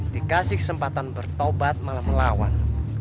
dikasih kesempatan bertobat malah melawan